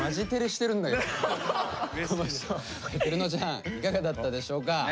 てるのちゃんいかがだったでしょうか。